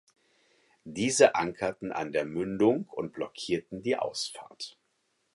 Diese ankerten an der Mündung und blockierten die Ausfahrt.